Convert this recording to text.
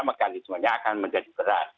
mekanismenya akan menjadi berat